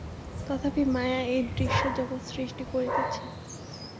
তথাপি মায়া এই দৃশ্য-জগৎ সৃষ্টি করিতেছে।